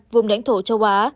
vùng lãnh thổ châu á